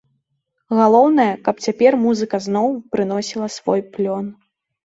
Галоўнае, каб цяпер музыка зноў прыносіла свой плён.